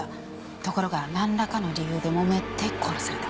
ところが何らかの理由でもめて殺された。